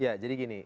ya jadi gini